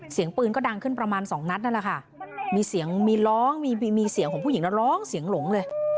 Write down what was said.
เสียงปืนก็ดังขึ้นประมาณสองนัดนั่นแหละค่ะมีเสียงมีร้องมีมีเสียงของผู้หญิงแล้วร้องเสียงหลงเลย